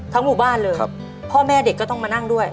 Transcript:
หมู่บ้านเลยพ่อแม่เด็กก็ต้องมานั่งด้วย